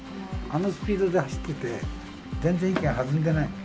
あのスピードで走ってて、全然息が弾んでない。